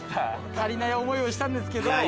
足りない思いはしたんですけど。